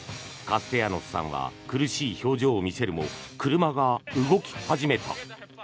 カステヤノスさんは苦しい表情を見せるも車が動き始めた。